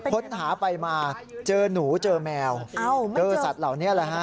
ค้นหาไปมาเจอหนูเจอแมวเจอสัตว์เหล่านี้แหละฮะ